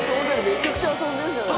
めちゃくちゃ遊んでるじゃない。